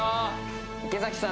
池崎さん